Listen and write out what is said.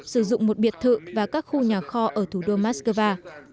sử dụng một biệt thự và các khu nhà kho ở thủ đô mắc cơ va